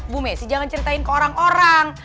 bu messi jangan ceritain ke orang orang